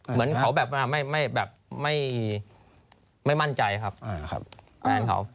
เหมือนเขาแบบไม่มั่นใจครับแฟนเขา